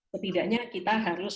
setidaknya kita harus